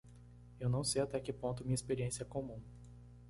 Eu não sei até que ponto minha experiência é comum.